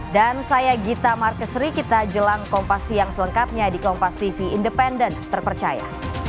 dan saya gita markesri kita jelang kompas siang selengkapnya di kompas tv independen terpercaya